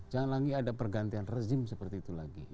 jangan lagi ada pergantian rezim seperti itu lagi